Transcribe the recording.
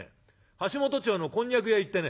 橋本町のこんにゃく屋へ行ってね